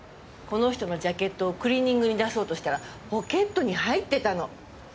この人のジャケットをクリーニングに出そうとしたらポケットに入ってたの。